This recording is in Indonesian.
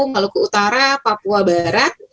maluku utara papua barat